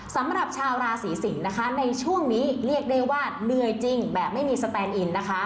สำหรับชาวราศีสิงศ์นะคะในช่วงนี้เรียกได้ว่าเหนื่อยจริงแบบไม่มีสแตนอินนะคะ